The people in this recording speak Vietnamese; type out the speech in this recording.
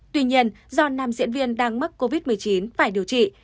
tuy nhiên do nam diễn viên đang mắc covid một mươi chín phải điều trị